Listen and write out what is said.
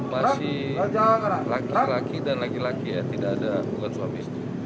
masih laki laki dan laki laki ya tidak ada bukan suami